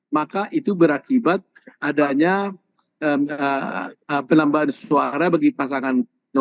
maka itu berakibat adanya penambahan suara bagi pasangan satu